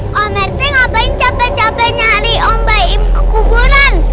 pak rete ngapain capek capek nyari om baim kekuburan